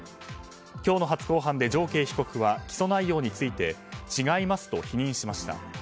今日の初公判で常慶被告は起訴内容について違いますと否認しました。